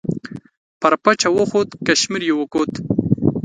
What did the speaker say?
پر پچه وخوت کشمیر یې وکوت.